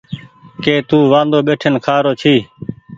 ڪي تو وآندو ٻيٺين کآرو ڇي۔